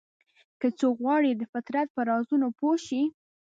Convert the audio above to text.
که څوک غواړي د فطرت په رازونو پوه شي.